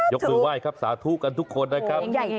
ยกมือไหว้ครับสาธุกันทุกคนนะครับ